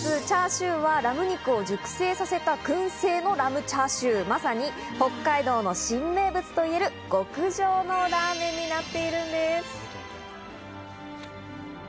チャーシューはラム肉を熟成させた燻製のラムチャーシュー、まさに北海道の新名物といえる、極上のラーメンになっているんです。